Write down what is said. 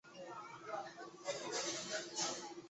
这种舞通常需要八个人以上的舞者两两一对地跳。